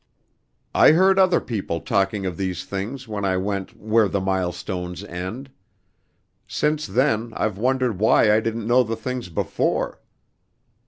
"I heard other people talking of these things when I went where the milestones end. Since then I've wondered why I didn't know the things before.